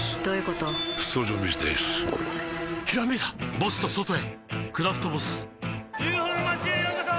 ボスと外へ「クラフトボス」ＵＦＯの町へようこそ！